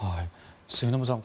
末延さん